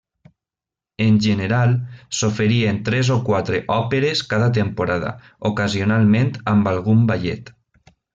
En general, s'oferien tres o quatre òperes cada temporada, ocasionalment amb algun ballet.